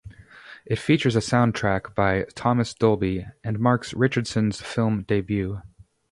It features a soundtrack by Thomas Dolby, and marks Richardson's film debut.